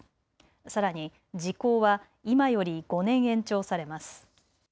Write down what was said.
さらに時効は今より５年延長されます。